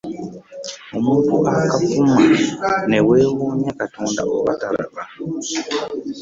Omuntu akavuma ne weewunya Katonda oba talaba.